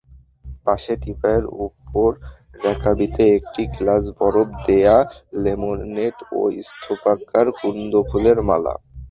পাশে টিপায়ের উপর রেকাবিতে একটি গ্লাস বরফ-দেওয়া লেমনেড ও স্তূপাকার কুন্দফুলের মালা।